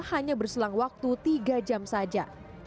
hanya berselang waktu tiga jam saja